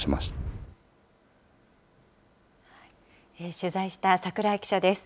取材した櫻井記者です。